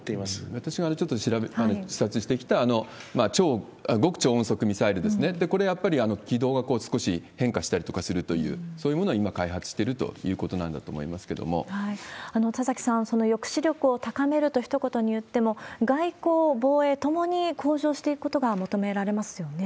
私がちょっと視察してきた極超音速ミサイルですね、これ、やっぱり軌道が少し変化したりとかするという、そういうものを今、開発しているということなんだと思いますけれども、田崎さん、その抑止力を高めるとひと言に言っても、外交・防衛、向上していくことが求められますよね。